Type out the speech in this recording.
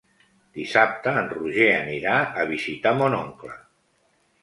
Dissabte en Roger anirà a visitar mon oncle.